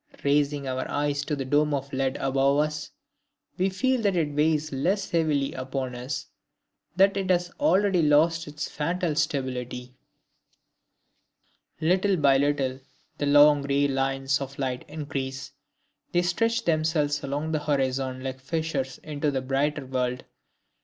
Raising our eyes to the Dome of lead above us, we feel that it weighs less heavily upon us, that it has already lost its fatal stability. Little by little the long gray lines of light increase, they stretch themselves along the horizon like fissures into a brighter world.